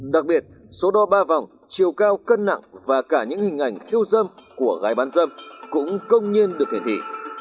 đặc biệt số đo ba vòng chiều cao cân nặng và cả những hình ảnh khiêu dâm của gái bán dâm cũng công nhiên được hiển thị